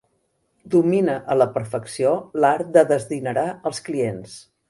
Domina a la perfecció l'art de desdinerar els clients.